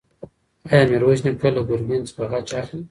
ایا میرویس نیکه له ګرګین څخه غچ اخلي؟